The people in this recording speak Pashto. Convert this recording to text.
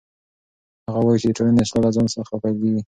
هغه وایي چې د ټولنې اصلاح له ځان څخه پیلیږي.